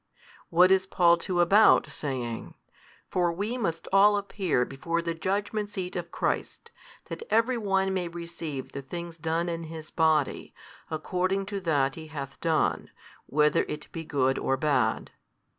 What is Paul too about, saying, For we must all appear before the judgement seat of Christ, that every one may receive the things done in his body, according to that he hath done, whether it be good or bad?